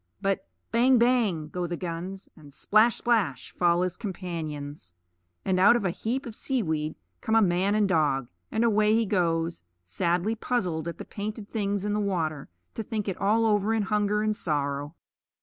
But bang, bang! go the guns; and splash, splash! fall his companions; and out of a heap of seaweed come a man and a dog; and away he goes, sadly puzzled at the painted things in the water, to think it all over in hunger and sorrow.